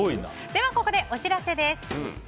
では、ここでお知らせです。